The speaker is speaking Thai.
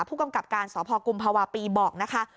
ผู้กำกับการสพกุมภาวะปีบอกนะคะ